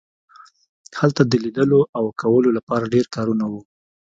هلته د لیدلو او کولو لپاره ډیر کارونه وو